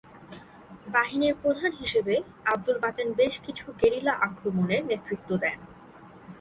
বাহিনীর প্রধান হিসেবে আবদুল বাতেন বেশ কিছু গেরিলা আক্রমনের নেতৃত্ব দেন।